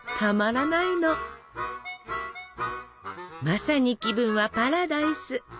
まさに気分はパラダイス！